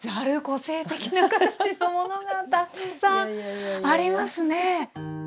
個性的な形のものがたくさんありますね。